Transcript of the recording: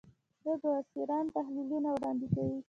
دوی برسېرن تحلیلونه وړاندې کوي